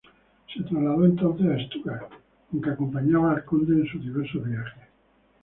Se trasladó entonces a Stuttgart aunque acompañaba al conde en sus diversos viajes.